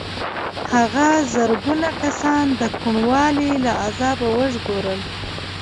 هغه زرګونه کسان د کوڼوالي له عذابه وژغورل.